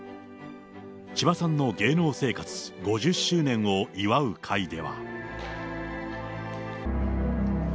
千葉さんの芸能生活５０周年を祝う会では。